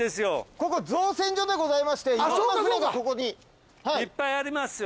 ここ造船所でございましてそうかそうかいろんな船がここにいっぱいありますよ